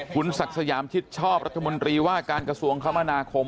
คุณศักดิ์สยามชิดชอบรัฐมนตรีว่าการกระทรวงคมนาคม